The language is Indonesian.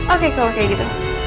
oke kalau kayak gitu